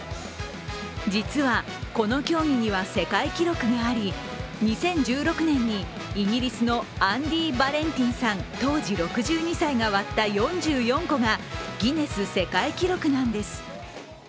実はこの競技には世界記録があり２０１６年にイギリスのアンディ・バレンティンさん当時６２歳が割った４４個がギネス世界記録なんです。